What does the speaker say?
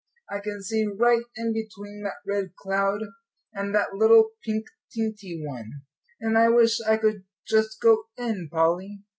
I can see right in between that red cloud and that little pink teenty one. And I wish I could just go in, Polly."